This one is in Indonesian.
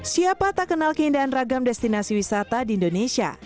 siapa tak kenal keindahan ragam destinasi wisata di indonesia